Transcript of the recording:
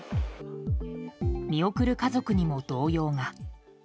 見送る家族にも動揺が。